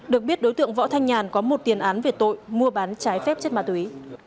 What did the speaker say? được biết đối tượng võ thanh nhàn có một tiền án về tội mua bán trái phép chất ma túy